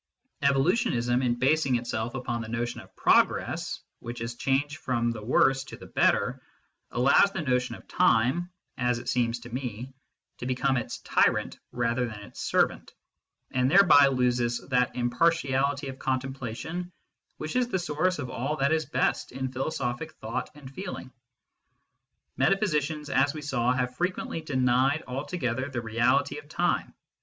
36 MYSTICISM AND LOGIC Evolutionism, in basing itself upon the notion of progress, which is change from the worse to the better, allows the notion of time, as it seems to me, to become its tyrant rather than its servant, and thereby loses that impartiality of contemplation which is the source of all that is best in philosophic thought and feeling. Meta physicians, as we saw, have frequently denied altogether the reality of time.